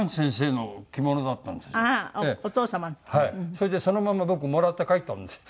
それでそのまま僕もらって帰ったんですよ。